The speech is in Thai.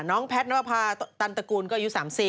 น้องแพทนวภาตันตระกูลก็อายุ๓๐